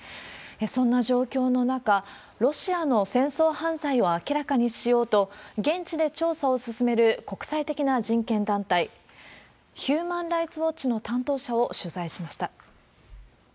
そんな状況の中、ロシアの戦争犯罪を明らかにしようと、現地で調査を進める国際的な人権団体、ヒューマン・ライツ・ウォッチの担当者を取材しました。